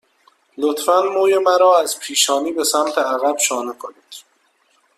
لطفاً موی مرا از پیشانی به سمت عقب شانه کنید.